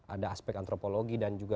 ada aspek antropologi dan juga